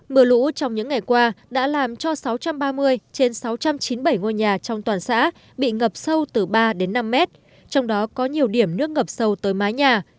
mưa lũ trong những ngày qua đã làm cho sáu trăm ba mươi trên sáu trăm chín mươi bảy ngôi nhà trong toàn xã bị ngập sâu từ ba đến năm mét trong đó có nhiều điểm nước ngập sâu tới mái nhà